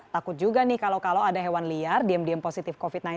takut juga nih kalau kalau ada hewan liar diem diam positif covid sembilan belas